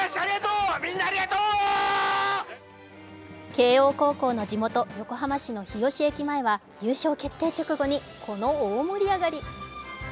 慶応高校の地元・横浜市の日吉駅前は優勝決定直後にこの大盛り上がり。